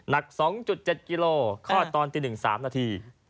หนัก๒๗กิโลกรัมคลอดตอนตี๑สามนาที